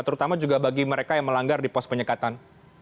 terutama juga bagi mereka yang melanggar di pos penyekatan